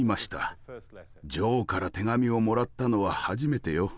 「女王から手紙をもらったのは初めてよ。